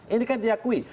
ini kan diakui